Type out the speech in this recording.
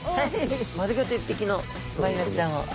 丸ごと１匹のマイワシちゃんを。